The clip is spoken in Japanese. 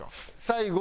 最後。